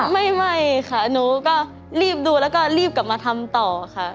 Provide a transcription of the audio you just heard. ไม่ค่ะหนูก็รีบดูแล้วก็รีบกลับมาทำต่อค่ะ